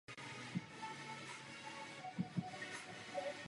Pohřbena je se svým manželem na Vinohradském hřbitově v Praze.